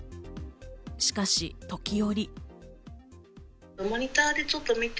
しかし時折。